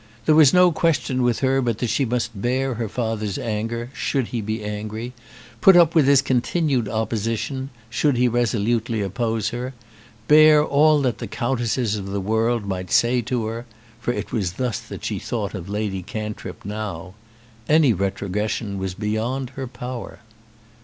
There was no question with her but that she must bear her father's anger, should he be angry; put up with his continued opposition, should he resolutely oppose her; bear all that the countesses of the world might say to her; for it was thus that she thought of Lady Cantrip now. Any retrogression was beyond her power.